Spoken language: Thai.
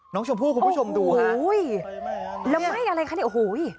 น้องชมพูคุณผู้ชมดูฮะโอ้โห้ยแล้วไหม้อะไรคะเนี่ยโอ้โห้ย